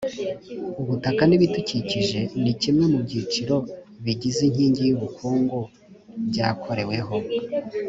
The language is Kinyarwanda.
ubutaka n ibidukikije ni kimwe mu byiciro bigize inkingi y ubukungu byakoreweho